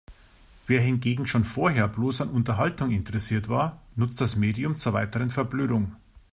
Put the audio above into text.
Wer hingegen schon vorher bloß an Unterhaltung interessiert war, nutzt das Medium zur weiteren Verblödung.